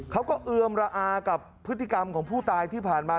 เอือมระอากับพฤติกรรมของผู้ตายที่ผ่านมา